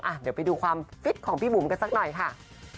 เดี๋ยวไปดูความฟิตของพี่บุ๋มกันสักหน่อยค่ะ